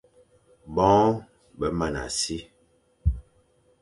Boñe be mana si,